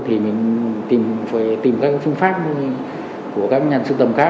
thì mình phải tìm các phương pháp của các nhà sưu tầm khác